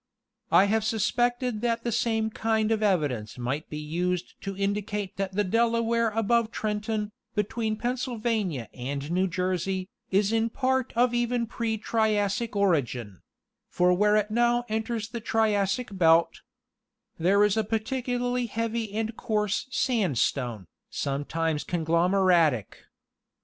I have suspected that the same kind of evidence might be used to indi cate that the Delaware above Trenton, between Pennsylvania and New Jersey, is in part of even pre Triassic origin ; for where it now enters the Triassic belt, there is a particularly heavy and coarse sandstone, sometimes conglomeratic.